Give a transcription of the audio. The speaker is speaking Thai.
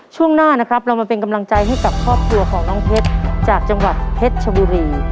ช่วงหน้านะครับเรามาเป็นกำลังใจให้กับครอบครัวของน้องเพชรจากจังหวัดเพชรชบุรี